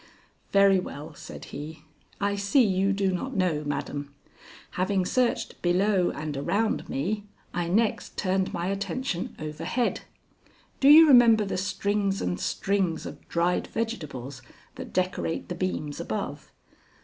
"Very well," said he. "I see you do not know, madam. Having searched below and around me, I next turned my attention overhead. Do you remember the strings and strings of dried vegetables that decorate the beams above?"